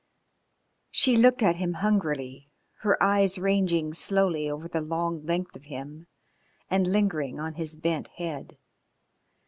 She looked at him hungrily, her eyes ranging slowly over the long length of him and lingering on his bent head.